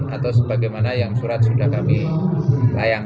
atau sebagaimana yang surat sudah kami layang